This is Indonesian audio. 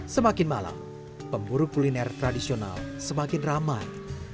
semakin malam pemburu kuliner tradisional semakin ramai